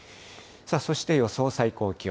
そして予想最高気温。